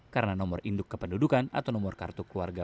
karena nomor induk kependudukan atau nomor kartu keluarga